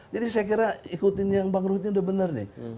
jadi saya kira ikutin yang bang ruth ini udah benar nih